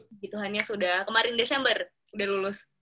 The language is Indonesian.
kebutuhannya sudah kemarin desember udah lulus